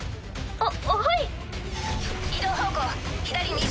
あっ。